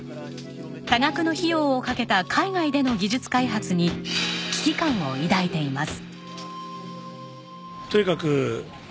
多額の費用をかけた海外での技術開発に危機感を抱いています。